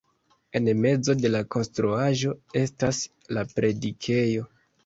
En mezo de la konstruaĵo estas la predikejo.